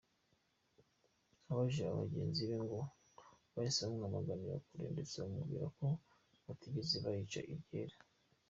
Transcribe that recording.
Abajije aba bagenzi be, ngo bahise bamwamaganira kure ndetse bamubwira ko batigeze bayica iryera.